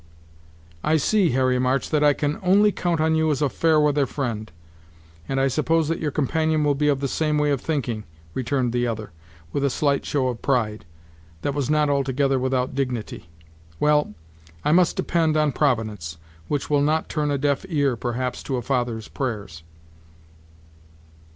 "I see, Harry March, I can only count on you as a fair weather friend; and I suppose that your companion will be of the same way of thinking," returned the other, with a slight show of pride, that was not altogether without dignity; "well, I must depend on Providence, which will not turn a deaf ear, perhaps, to a father's prayers."